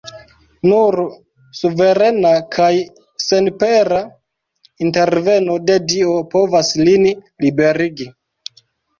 Nur suverena kaj senpera interveno de Dio povas lin liberigi.